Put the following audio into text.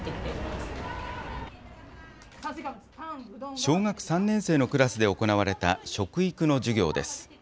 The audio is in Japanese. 小学３年生のクラスで行われた食育の授業です。